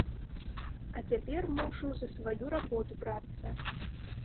А цяпер мушу за сваю работу брацца.